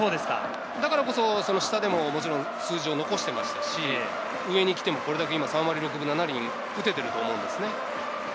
だからこそ下でも数字を残していましたし、上に来てもこれだけ、今、３割６分７厘、打てていると思うんです